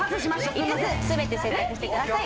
５つ全て選択してください。